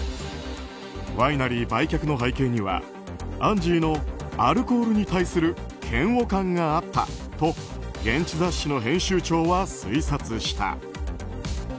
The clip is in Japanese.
ワイナリー売却の背景にはアンジーのアルコールに対する嫌悪感があったと現地雑誌の編集長は推察した。